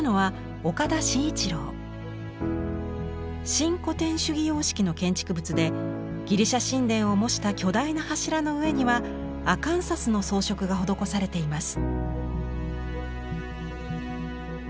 新古典主義様式の建築物でギリシャ神殿を模した巨大な柱の上にはアカンサスの装飾が施されています。